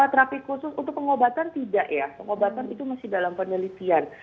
terapi khusus untuk pengobatan tidak ya pengobatan itu masih dalam penelitian